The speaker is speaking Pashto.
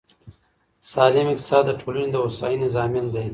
سالم اقتصاد د ټولني د هوساینې ضامن دی.